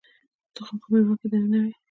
تخم په مېوه کې دننه وي